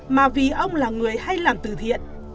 mà vì ông là người hay làm từ thiện